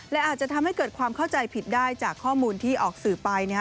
และอาจจะทำให้เกิดความเข้าใจผิดได้จากข้อมูลที่ออกสื่อไปนะฮะ